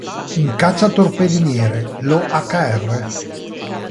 Un cacciatorpediniere, lo Hr.